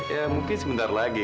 ya mungkin sebentar lagi